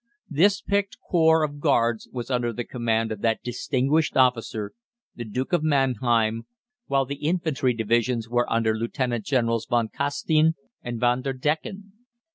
This picked corps of Guards was under the command of that distinguished officer, the Duke of Mannheim, while the infantry divisions were under Lieutenant Generals von Castein and Von Der Decken.